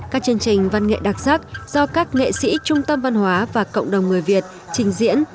các chương trình văn nghệ đặc sắc do các nghệ sĩ trung tâm văn hóa và cộng đồng người việt trình diễn